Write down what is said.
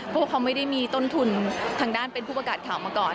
เพราะว่าเขาไม่ได้มีต้นทุนทางด้านเป็นผู้ประกาศข่าวมาก่อน